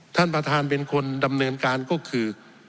ท่านประธานเป็นคนดำเนินการก็คือ